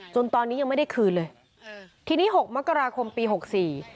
จนตอนนี้ยังไม่ได้คืนเลยทีนี้หกมกราคมปีหกสี่